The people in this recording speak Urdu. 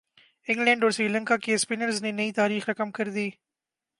انگلینڈ اور سری لنکا کے اسپنرز نے نئی تاریخ رقم کر دی